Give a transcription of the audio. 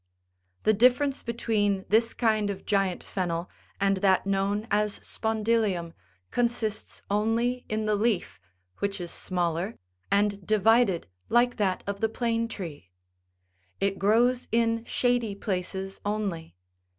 The difference between this kind of giant fennel and that known as spondylium,86 consists only in the leaf, which is smaller, and divided like that of the plane tree. It grows in shady places only.